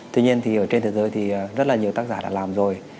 tuy nhiên thì ở trên thế giới thì rất là nhiều tác giả đã làm rồi